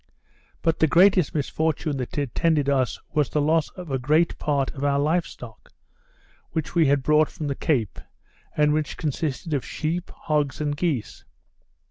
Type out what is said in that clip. But the greatest misfortune that attended us, was the loss of great part of our live stock, which we had brought from the Cape, and which consisted of sheep, hogs, and geese.